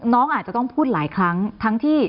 น้องอาจจะต้องพูดหลายครั้งทั้งที่